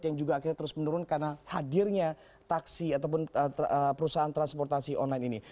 yang juga akhirnya terus menurun karena hadirnya taksi ataupun perusahaan transportasi online ini